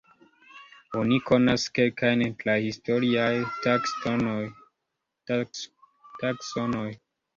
Oni konas kelkajn prahistoriaj taksonoj.